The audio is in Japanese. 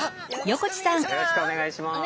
よろしくお願いします。